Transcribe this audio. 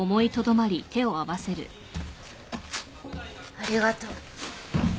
ありがとう。